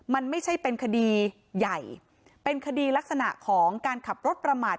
มันไม่ใช่เป็นคดีใหญ่เป็นคดีลักษณะของการขับรถประมาท